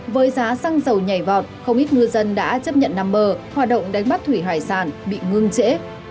với giá xăng dầu nhảy vọt không ít ngư dân đã chấp nhận nằm bờ hoạt động đánh bắt thủy hải sản bị ngưng trễ